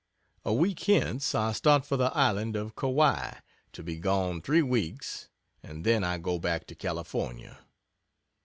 A week hence I start for the Island of Kauai, to be gone three weeks and then I go back to California.